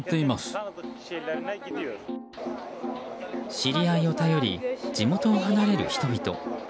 知り合いを頼り地元を離れる人々。